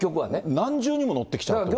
何重にも乗ってきちゃうんだよね。